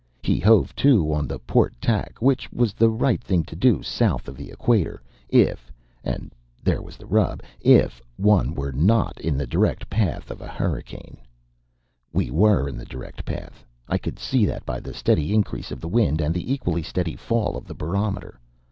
He hove to on the port tack, which was the right thing to do south of the Equator, if and there was the rub IF one were NOT in the direct path of the hurricane. We were in the direct path. I could see that by the steady increase of the wind and the equally steady fall of the barometer.